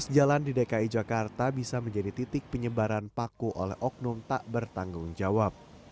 lima belas jalan di dki jakarta bisa menjadi titik penyebaran paku oleh oknum tak bertanggung jawab